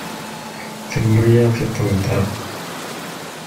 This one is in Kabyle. Tewwi-aɣ tiṭ-nteɣ.